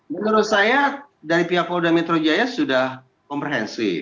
menurut saya dari pihak polda metro jaya sudah komprehensif